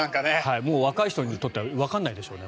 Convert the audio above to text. もう若い人にとってはわからないでしょうね。